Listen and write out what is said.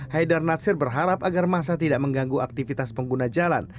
haidar natsir berharap agar masa tidak mengganggu aktivitas pengguna jalan